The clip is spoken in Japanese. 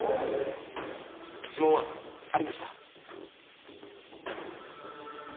指紋は？ありました。